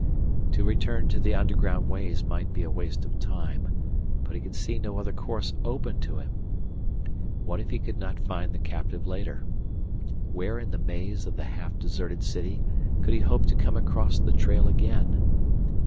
To return to the underground ways might be a waste of time, but he could see no other course open to him. What if he could not find the captive later? Where in the maze of the half deserted city could he hope to come across the trail again?